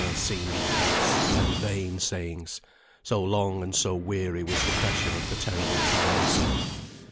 seemed false and vain sayings, so long and so weary was the pressure of the terrible times.